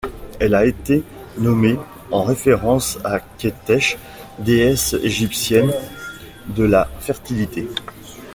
Elle a été nommée en référence à Qetesh, déesse égyptienne de la fertilité.